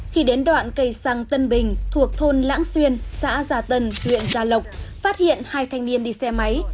khi đến đoạn cây xăng tân bình thuộc thôn lãng xuyên xã gia tân huyện gia lộc phát hiện hai thanh niên đi xe máy